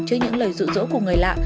trước những lời rủ rỗ của người lạ